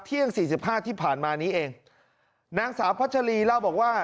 สี่สิบห้าที่ผ่านมานี้เองนางสาวพัชรีเล่าบอกว่า